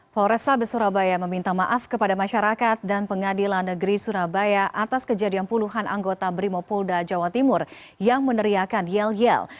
polresa besurabaya meminta maaf kepada masyarakat dan pengadilan negeri surabaya atas kejadian puluhan anggota brimopolda jawa timur yang meneriakan yel yel